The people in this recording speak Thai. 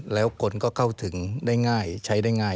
แล้วคนก็เข้าถึงได้ง่ายใช้ได้ง่าย